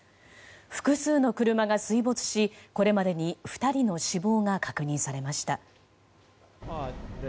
複数の車が水没し、これまでに２人の死亡が確認されました。